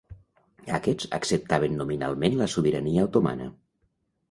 Aquests acceptaven nominalment la sobirania otomana.